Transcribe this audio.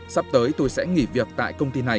sắp tới tôi sẽ nghỉ việc tại công ty này